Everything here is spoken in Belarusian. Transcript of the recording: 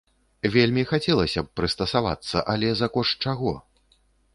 Вельмі хацелася б прыстасавацца, але за кошт чаго?